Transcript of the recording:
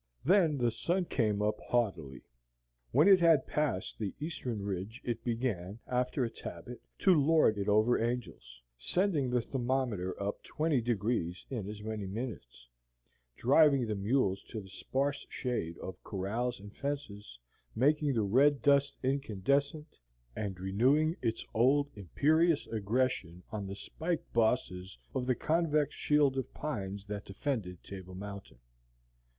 Then the sun came up haughtily. When it had passed the eastern ridge it began, after its habit, to lord it over Angel's, sending the thermometer up twenty degrees in as many minutes, driving the mules to the sparse shade of corrals and fences, making the red dust incandescent, and renewing its old imperious aggression on the spiked bosses of the convex shield of pines that defended Table Mountain.